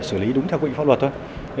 sử lý đúng theo quyền pháp luật thôi